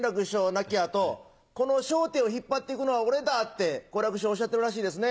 亡き後この『笑点』を引っ張って行くのは俺だって好楽師匠おっしゃってるらしいですね。